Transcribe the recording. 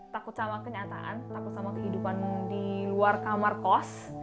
takut sama kenyataan takut sama kehidupanmu di luar kamar kos